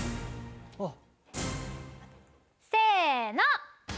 せの！